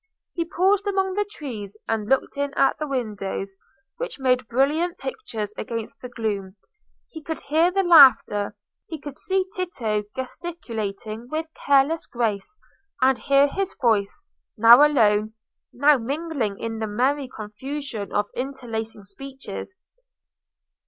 He paused among the trees, and looked in at the windows, which made brilliant pictures against the gloom. He could hear the laughter; he could see Tito gesticulating with careless grace, and hear his voice, now alone, now mingling in the merry confusion of interlacing speeches.